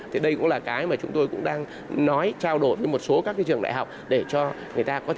thì đây cũng là cái mà chúng tôi cũng đang nói trao đổi với một số các trường đại học